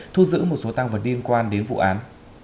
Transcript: thu giữ một số tăng vật liên quan đến vụ án